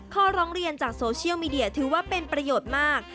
ข้อร้องเรียนจากโซเชียลมีเดียถือว่าเป็นประโยชน์มาก